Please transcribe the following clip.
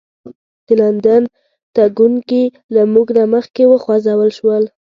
د لندن تګونکي له موږ نه مخکې وخوځول شول.